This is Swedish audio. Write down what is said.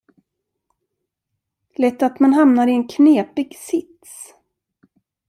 Lätt att man hamnar i en knepig sits!